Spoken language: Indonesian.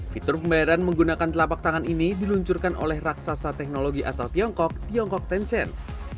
fitur pembayaran menggunakan telapak tangan ini diluncurkan oleh raksasa teknologi asal tiongkok tiongkok tencent